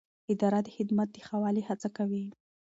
اداره د خدمت د ښه والي هڅه کوي.